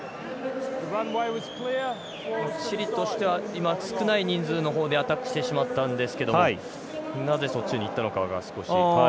チリとしては少ない人数のほうでアタックしてしまったんですけどもなぜそっちにいったのかが少し。